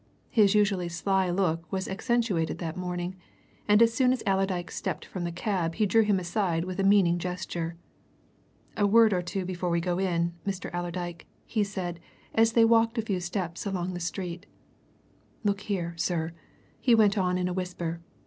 His usually sly look was accentuated that morning, and as soon as Allerdyke stepped from his cab he drew him aside with a meaning gesture. "A word or two before we go in, Mr. Allerdyke," he said as they walked a few steps along the street. "Look here, sir," he went on in a whisper.